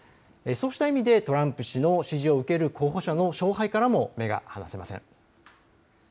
そうした意味でトランプ氏の支持を受ける候補者の勝敗からも目が離せません。